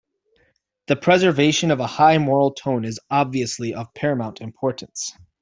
The preservation of a high moral tone is obviously of paramount importance.